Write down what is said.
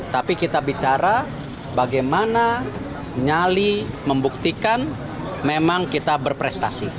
tapi kita bicara bagaimana nyali membuktikan memang kita berprestasi